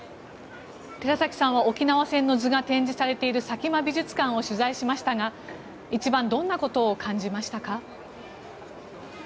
寺崎さんは「沖縄戦の図」が展示されている佐喜眞美術館を取材しましたが一番どんなことを感じましたか？